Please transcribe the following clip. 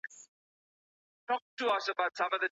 کوچنۍ برخې ژر زده کیږي.